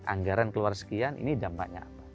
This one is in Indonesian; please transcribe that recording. anggaran keluar sekian ini dampaknya apa